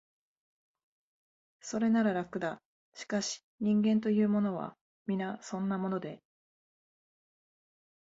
それなら、楽だ、しかし、人間というものは、皆そんなもので、